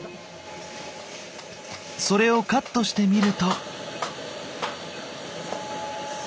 それをカットしてみると。